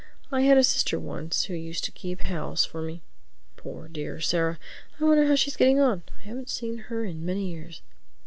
I had a sister once who used to keep house for me (poor, dear Sarah! I wonder how she's getting on—I haven't seen her in many years).